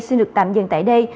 xin được tạm dừng tại đây